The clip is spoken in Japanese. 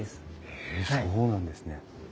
へえそうなんですね。